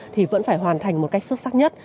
thì vẫn phải hoàn thành một cách xuất sắc nhất